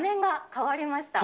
変わりました。